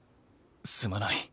すまない。